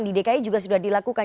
di dki juga sudah dilakukan